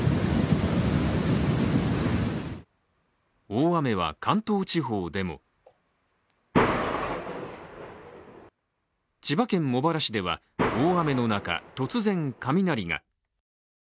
大雨は関東地方でも千葉県茂原市では、大雨の中、突然雷が。